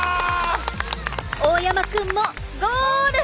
大山くんもゴール！